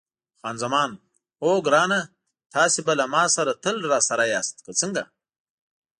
خان زمان: اوه ګرانه، تاسي به له ما سره تل راسره یاست، که څنګه؟